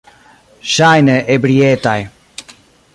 Ŝajne, ebrietaj.